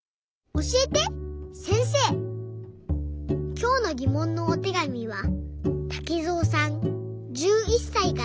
きょうのぎもんのおてがみはたけぞうさん１１さいから。